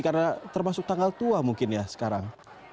karena termasuk tanggal tua mungkin ya sekarang